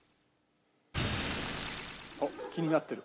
あっ気になってる。